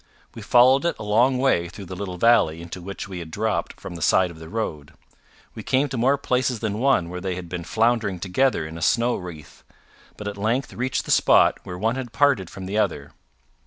We followed it a long way through the little valley into which we had dropped from the side of the road. We came to more places than one where they had been floundering together in a snow wreath, but at length reached the spot where one had parted from the other.